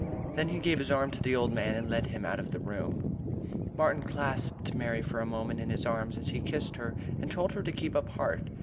Then he gave his arm to the old man and led him out of the room. Martin clasped Mary for a moment in his arms as he kissed her and told her to keep up heart.